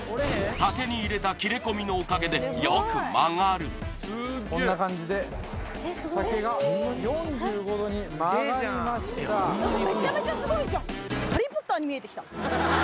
竹に入れた切れ込みのおかげでよく曲がるこんな感じでこれめちゃめちゃすごいじゃん！